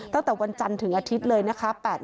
ตั้งแต่วันจันทร์ถึงอาทิตย์เลยนะคะ